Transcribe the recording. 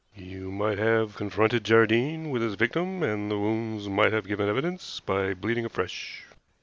You might have confronted Jardine with his victim, and the wounds might have given evidence by bleeding afresh.